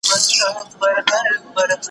زه پرون د سبا لپاره د سوالونو جواب ورکوم!.